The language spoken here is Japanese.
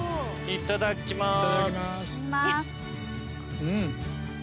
いただきます。